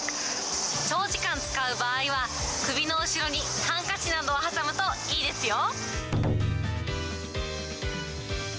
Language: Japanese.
長時間使う場合は、首の後ろにハンカチなどを挟むと、いいですよ。